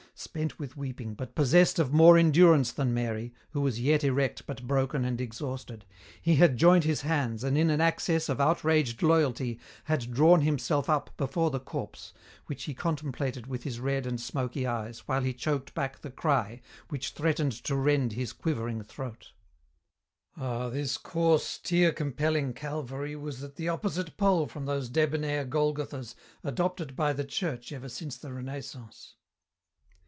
Spent with weeping, but possessed of more endurance than Mary, who was yet erect but broken and exhausted, he had joined his hands and in an access of outraged loyalty had drawn himself up before the corpse, which he contemplated with his red and smoky eyes while he choked back the cry which threatened to rend his quivering throat. Ah, this coarse, tear compelling Calvary was at the opposite pole from those debonair Golgothas adopted by the Church ever since the Renaissance.